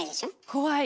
怖い。